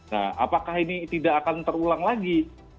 nah apakah ini tidak akan terulang lagi